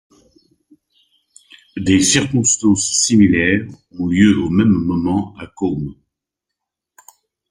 Des circonstances similaires ont lieu au même moment à Côme.